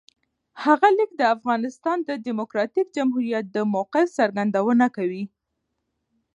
هغه لیک د افغانستان د دموکراتیک جمهوریت د موقف څرګندونه کوي.